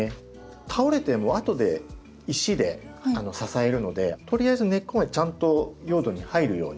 倒れても後で石で支えるのでとりあえず根っこがちゃんと用土に入るように。